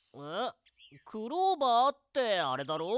クローバーってあれだろ？